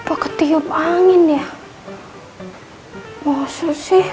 aku mau pergi dulu